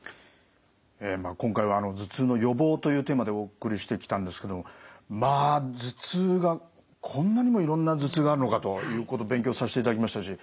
今回は「頭痛の予防」というテーマでお送りしてきたんですけどもまあ頭痛がこんなにもいろんな頭痛があるのかということ勉強させていただきましたし